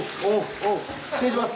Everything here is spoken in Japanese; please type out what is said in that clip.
失礼します。